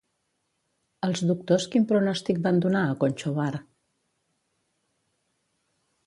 Els doctors quin pronòstic van donar a Conchobar?